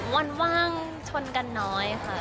ว่างชนกันน้อยค่ะ